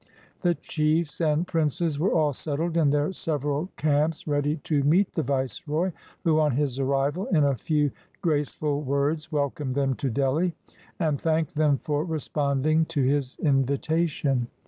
The chiefs and princes were all settled in their several camps ready to meet the Viceroy, who, on his arrival, in a few graceful words welcomed them to Delhi, and thanked them for responding to his invitation.